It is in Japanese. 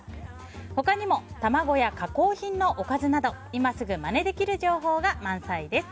他にも卵や加工品のおかずなど今すぐまねできる情報が満載です。